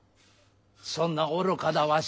そんな愚かなわし